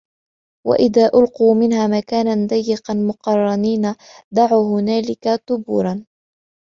وَإِذَا أُلْقُوا مِنْهَا مَكَانًا ضَيِّقًا مُقَرَّنِينَ دَعَوْا هُنَالِكَ ثُبُورًا